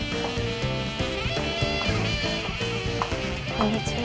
こんにちは。